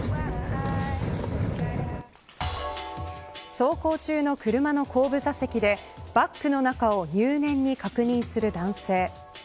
走行中の車の後部座席でバッグの中を入念に確認する男性。